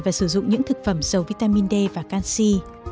và sử dụng những thực phẩm dầu vitamin d và canxi